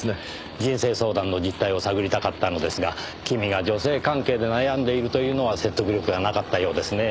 人生相談の実態を探りたかったのですが君が女性関係で悩んでいるというのは説得力がなかったようですねぇ。